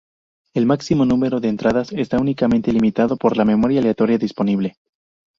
El máximo número de entradas está únicamente limitado por la memoria aleatoria disponible.